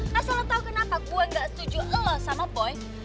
nah so lo tau kenapa gue gak setuju lo sama boy